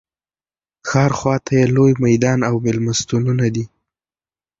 ښار خواته یې لوی میدان او مېلمستونونه دي.